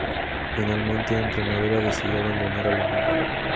Finalmente, en primavera decidió abandonar Alemania.